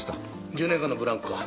１０年間のブランクか。